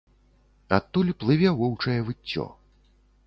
Адтуль плыве воўчае выццё.